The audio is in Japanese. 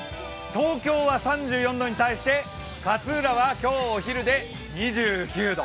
東京は３４度に対して、勝浦は今日お昼で２９度。